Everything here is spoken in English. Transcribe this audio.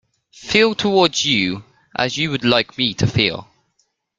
Feel towards you as you would like me to feel.